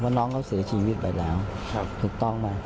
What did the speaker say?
น้องเขาเสียชีวิตไปแล้วถูกต้องไหม